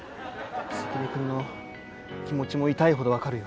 セキネくんの気持ちも痛いほど分かるよ。